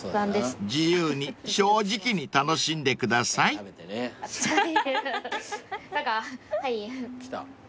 ［自由に正直に楽しんでください］来た。